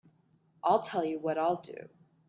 I'll tell you what I'll do.